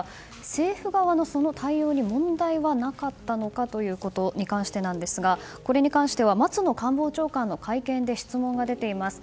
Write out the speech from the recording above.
政府側の対応に問題はなかったのかということに関してですがこれに関しては松野官房長官が会見で質問が出ています。